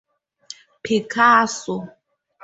Picasso.